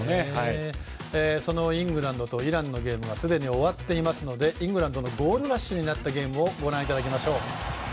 そのイングランドとイランのゲームはすでに終わっていますのでイングランドのゴールラッシュのゲームご覧いただきましょう。